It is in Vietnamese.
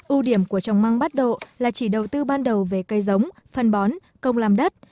ưu điểm của trồng măng bắt độ là chỉ đầu tư ban đầu về cây giống phân bón công làm đất